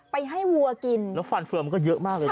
ไปให้วัวกินแล้วฟันเฟือมันก็เยอะมากเลยนะ